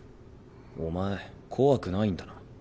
お前怖くないんだな。